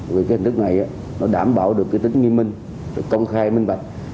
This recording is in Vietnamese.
vì hình thức này đảm bảo được tính nghi minh công khai minh bạch